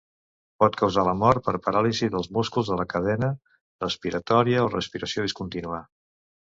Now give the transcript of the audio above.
Pot causar la mort per paràlisi dels músculs de la cadena respiratòria o respiració discontínua.